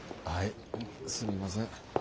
はいすみません。